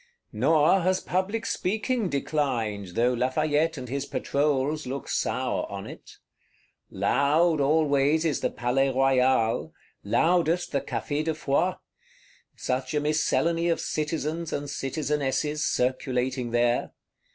Nor has public speaking declined, though Lafayette and his Patrols look sour on it. Loud always is the Palais Royal, loudest the Café de Foy; such a miscellany of Citizens and Citizenesses circulating there.